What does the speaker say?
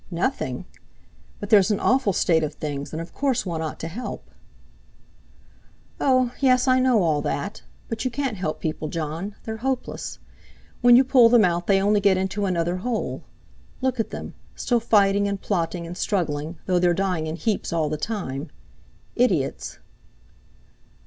"Nothing! But there's an awful state of things, and of course one ought to help." "Oh! yes, I know all that. But you can't help people, Jon; they're hopeless. When you pull them out they only get into another hole. Look at them, still fighting and plotting and struggling, though they're dying in heaps all the time. Idiots!"